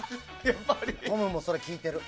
トムもそれ聞いてる。